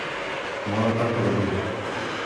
Мора тако да буде.